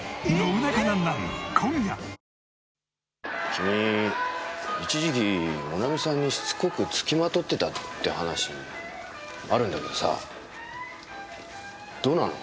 君一時期もなみさんにしつこく付きまとってたって話あるんだけどさどうなの？